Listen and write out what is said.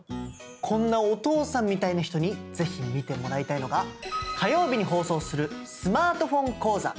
こんなお父さんみたいな人に是非見てもらいたいのが火曜日に放送するスマートフォン講座。